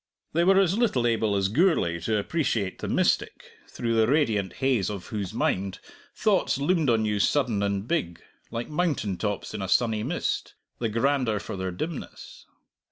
They were as little able as Gourlay to appreciate the mystic, through the radiant haze of whose mind thoughts loomed on you sudden and big, like mountain tops in a sunny mist, the grander for their dimness.